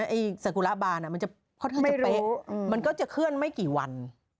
ไอ้สักุระบาน่ะมันจะเขาเท่าไหร่จะเป๊ะไม่รู้อืมมันก็จะเคลื่อนไม่กี่วัน